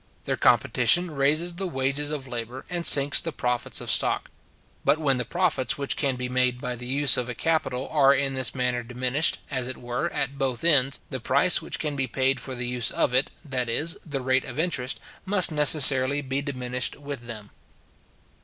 Their competition raises the wages of labour, and sinks the profits of stock. But when the profits which can be made by the use of a capital are in this manner diminished, as it were, at both ends, the price which can be paid for the use of it, that is, the rate of interest, must necessarily be diminished with them.